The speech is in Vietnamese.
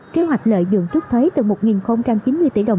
kế hoạch lợi dưỡng thuế từ một chín mươi tỷ đồng